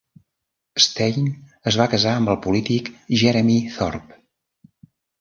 Stein es va casar amb el polític Jeremy Thorpe.